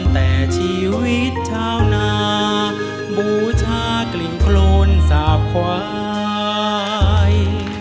แต่ชีวิตชาวนาบูชากลิ่นโครนสาบควาย